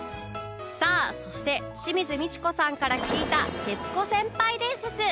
さあそして清水ミチコさんから聞いた徹子先輩伝説